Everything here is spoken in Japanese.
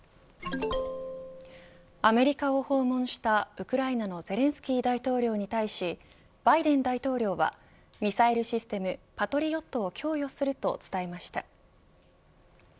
アメリカを訪問したウクライナのゼレンスキー大統領に対しバイデン大統領はミサイルシステムパトリオットを供与すると伝えました。